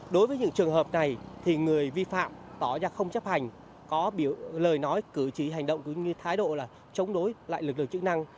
đối với những trường hợp này thì người vi phạm tỏ ra không chấp hành có lời nói cử chỉ hành động cũng như thái độ là chống đối lại lực lượng chức năng